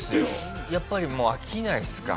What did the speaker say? やっぱり飽きないですか？